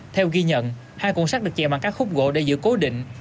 theo ghi nhận hai cuộn sắt được chè bằng các khúc gỗ để giữ cố định